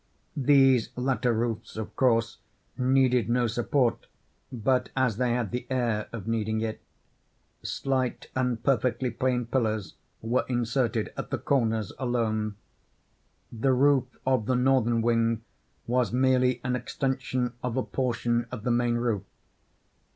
These latter roofs, of course, needed no support; but as they had the air of needing it, slight and perfectly plain pillars were inserted at the corners alone. The roof of the northern wing was merely an extension of a portion of the main roof.